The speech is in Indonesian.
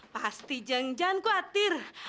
pasti jeng jangan khawatir